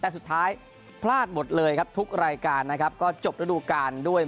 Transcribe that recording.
แต่สุดท้ายพลาดหมดเลยครับทุกรายการนะครับก็จบระดูการด้วย